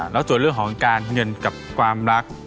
แล้วส่วนเรื่องของการเงินกับความรัก